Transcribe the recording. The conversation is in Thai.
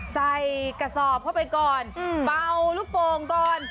ใส่กระสอบเข้าไปก่อนเป่าลูกโป่งก่อน